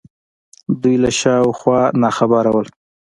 دوی له شا و خوا ناخبره وو